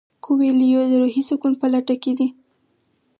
کویلیو د روحي سکون په لټه کې دی.